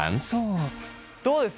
どうです？